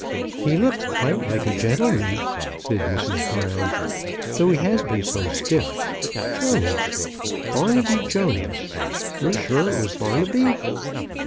*'He looks quite like a gentleman," said Mrs. Brown, "though he has been so stiff. Jones! Barnaby Jones ! You're sure it was Barnaby